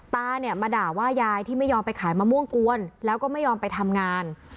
ตาเนี่ยมาด่าว่ายายที่ไม่ยอมไปขายมะม่วงกวนแล้วก็ไม่ยอมไปทำงาน